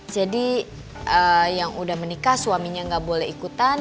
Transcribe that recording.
jadi yang udah menikah suaminya gak boleh ikutan